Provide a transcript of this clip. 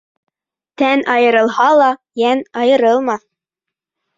Тән айырылһа ла, йән айырылмаҫ.